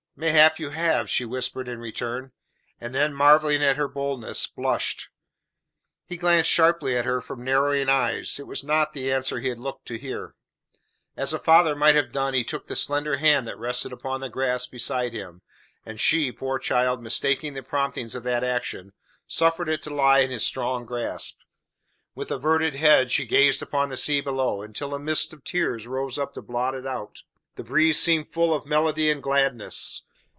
"Mayhap you have," she whispered in return, and then, marvelling at her boldness, blushed. He glanced sharply at her from narrowing eyes. It was not the answer he had looked to hear. As a father might have done he took the slender hand that rested upon the grass beside him, and she, poor child, mistaking the promptings of that action, suffered it to lie in his strong grasp. With averted head she gazed upon the sea below, until a mist of tears rose up to blot it out. The breeze seemed full of melody and gladness.